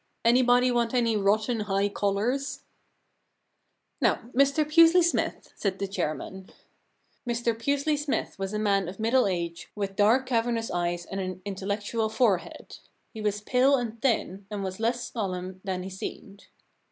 Anybody want any rotten high collars ?'* Now, Mr Pusely Smythc,' said the chair man. Mr Pusely Smythe was a man of middle 1 6 The Giraffe Problem age, with dark, cavernous eyes and an intel lectual forehead. He was pale and thin, and was less solemn than he seemed.